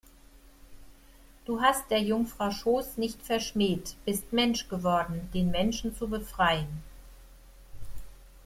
Du hast der Jungfrau Schoß nicht verschmäht, bist Mensch geworden, den Menschen zu befreien.